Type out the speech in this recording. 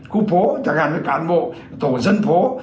khu phố chẳng hạn như cán bộ tổ dân phố